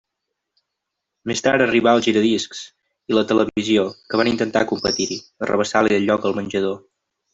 Més tard arribà el giradiscs i la televisió, que van intentar competir-hi, arrabassar-li el lloc al menjador.